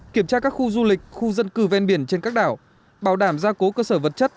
kiểm tra các khu du lịch khu dân cư ven biển trên các đảo bảo đảm gia cố cơ sở vật chất